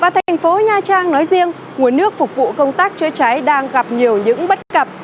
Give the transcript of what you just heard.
thành phố nha trang nói riêng nguồn nước phục vụ công tác chữa cháy đang gặp nhiều những bất cập